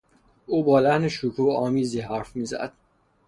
او با لحن شکوهآمیزی حرف میزد.